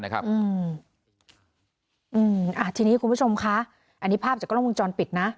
ทีนี้คุณผู้ชมคะอันนี้ภาพจากกล้องวงจรปิดนะ